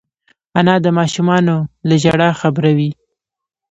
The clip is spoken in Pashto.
انا د ماشومانو له ژړا خبروي